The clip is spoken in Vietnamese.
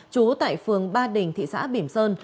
chú tại phường ba đình thị xã bỉm sơn